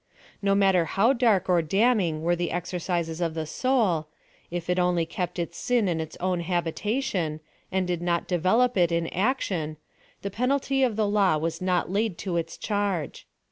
No matter how dark or damning were the exercises of the soul ; if it only kept its sni in its own habitation, and did not devolope it in action, (ne penalty of the law was not laid to its charge.